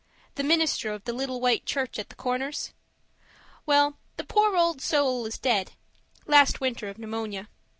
the minister of the little white church at the Corners. Well, the poor old soul is dead last winter of pneumonia.